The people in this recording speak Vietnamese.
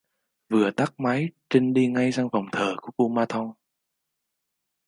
Vừa tắt máy trinh đi ngay sang phòng thờ của kumanthong